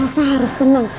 elsa harus tenang